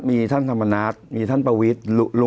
มีท่านธรรมนัฐมีท่านประวิทย์